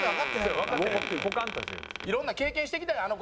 いろんな経験してきたやん